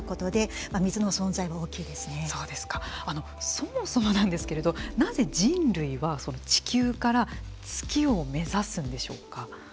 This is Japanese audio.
そもそもなんですけれどなぜ人類は地球から月を目指すんでしょうか。